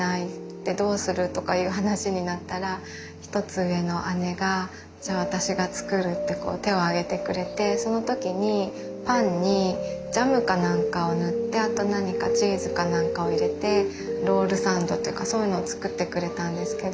でどうするとかいう話になったら１つ上の姉がじゃあ私が作るって手を挙げてくれてその時にパンにジャムか何かをぬってあと何かチーズか何かを入れてロールサンドっていうかそういうのを作ってくれたんですけど。